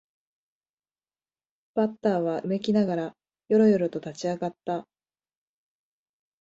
バッターはうめきながらよろよろと立ち上がった